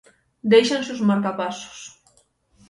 Déixanse os marcapasos.